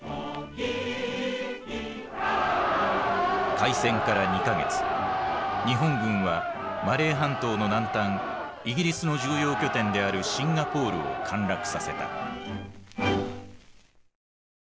開戦から２か月日本軍はマレー半島の南端イギリスの重要拠点であるシンガポールを陥落させた。